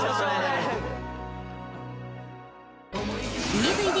ＤＶＤ